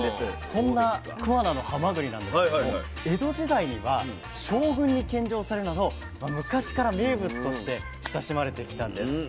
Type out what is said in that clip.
そんな桑名のはまぐりなんですけれども江戸時代には将軍に献上されるなど昔から名物として親しまれてきたんです。